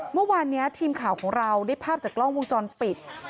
เมื่อวานนี้ทีมข่าวของเราได้ภาพจากกล้องวงจรปิด